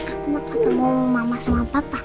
aku mau ketemu mama sama patah